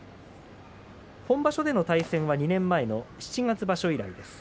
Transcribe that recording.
本場所での対戦は２年前の七月場所以来です。